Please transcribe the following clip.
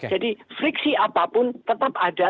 jadi friksi apapun tetap ada